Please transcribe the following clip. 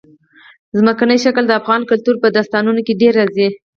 ځمکنی شکل د افغان کلتور په داستانونو کې ډېره راځي.